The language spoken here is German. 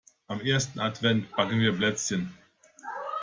Am ersten Advent backen wir Plätzchen.